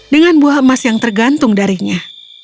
dengan buah emas yang tergantung darinya